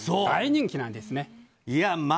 大人気なんですよね。